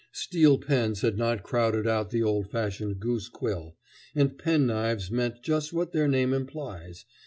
Steel pens had not crowded out the old fashioned goose quill, and pen knives meant just what their name implies.